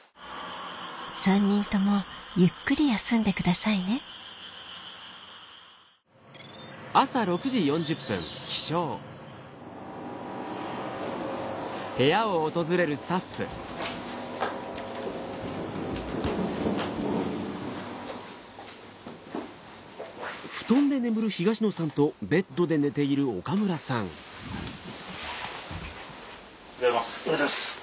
３人ともゆっくり休んでくださいねおはようございます。